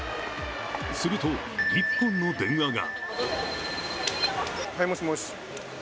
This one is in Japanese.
すると、一本の電話が。